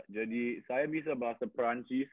jadi saya bisa bahasa perancis